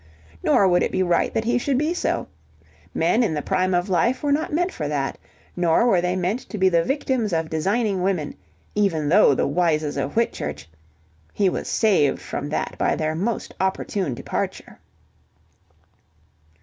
Nor would it be right that he should be so. Men in the prime of life were not meant for that. Nor were they meant to be the victims of designing women, even though Wyses of Whitchurch. ... He was saved from that by their most opportune departure.